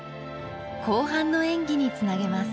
後半の演技につなげます。